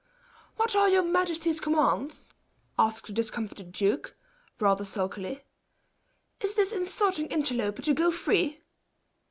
"What are your majesty's commands?" asked the discomfited duke, rather sulkily. "Is this insulting interloper to go free?"